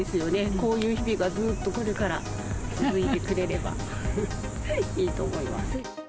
こういう日々がずーっと、これから続いてくれればいいと思います。